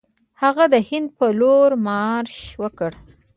هغه د هند پر لور مارش وکړ.